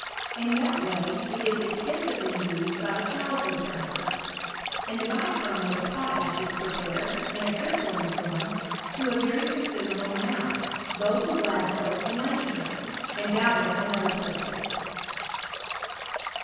In tht^ vay it is extensively used by the calico printers; and the bichromate of potash is prepared, in a crystalline form, to a very constderableamount, both in Gla^ow and Lancashire, and doubtless in other places.